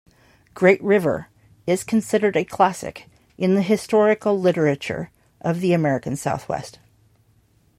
"Great River" is considered a classic in the historical literature of the American southwest.